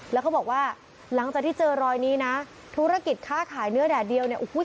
แล้วเขาบอกว่าหลังจากที่เจอรอยนี้เถอะนะเทศโรยากิจค่าขายเนื้อแดดเดียวเนี่ย